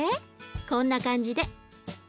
こんな感じで。